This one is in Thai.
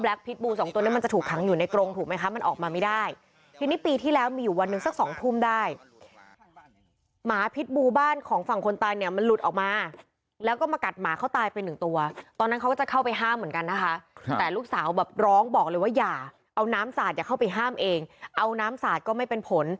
ลูกสาวนอนมากกว่าเข้าไปหาป่อ